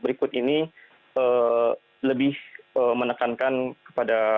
berkata menc eleven pengingkar commit keguardia